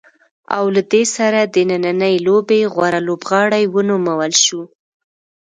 او له دې سره د نننۍ لوبې غوره لوبغاړی ونومول شو.